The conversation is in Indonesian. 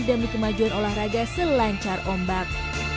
demi kemajuan olahraga selancar ombak